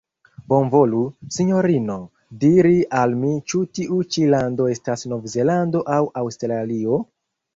Bonvolu, Sinjorino, diri al mi ĉu tiu ĉi lando estas Nov-Zelando aŭ Aŭstralio?.